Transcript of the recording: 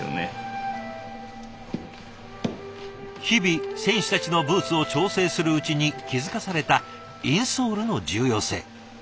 日々選手たちのブーツを調整するうちに気付かされたインソールの重要性。